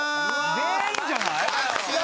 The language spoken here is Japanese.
全員じゃない？